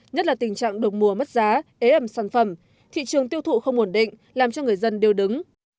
nhất là tình trạng được mùa mất giá ế ẩm sản phẩm thị trường tiêu thụ không ổn định làm cho người dân đều đứng